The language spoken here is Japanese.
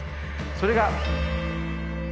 それが。